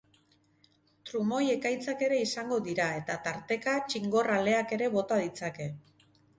Trumoi-ekaitzak ere izango dira eta tarteka txingor aleak ere bota ditzake.